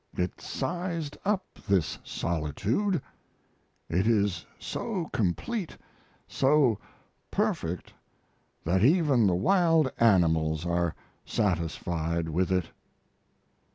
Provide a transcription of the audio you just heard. It sized up this solitude. It is so complete, so perfect, that even the wild animals are satisfied with it.